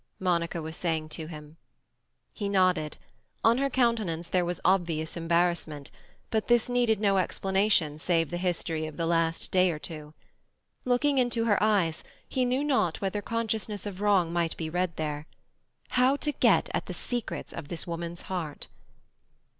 Monica was saying to him. He nodded. On her countenance there was obvious embarrassment, but this needed no explanation save the history of the last day or two. Looking into her eyes, he knew not whether consciousness of wrong might be read there. How to get at the secrets of this woman's heart?